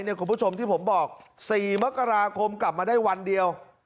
คุณผู้ชมที่ผมบอก๔มกราคมกลับมาได้วันเดียว